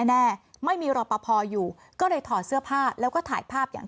แน่ไม่มีรอปภอยู่ก็เลยถอดเสื้อผ้าแล้วก็ถ่ายภาพอย่าง